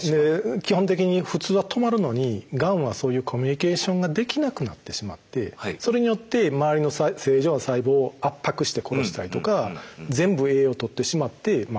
基本的に普通は止まるのにがんはそういうコミュニケーションができなくなってしまってそれによって周りの正常な細胞を圧迫して殺したりとか全部栄養をとってしまって殺したりとか。